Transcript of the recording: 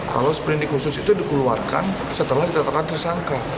kalau sprindik khusus itu dikeluarkan setelah ditetapkan tersangka